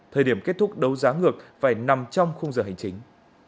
thời điểm kết thúc đấu giá ngược phải nằm trong khung giờ hành chính